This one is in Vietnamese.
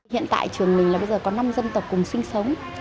hiện tại trường mình là bây giờ có năm dân tộc cùng sinh sống